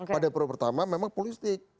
pada periode pertama memang populistik